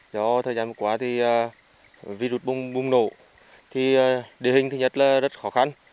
do thời gian quá thì virus bùng nổ thì địa hình nhất là rất khó khăn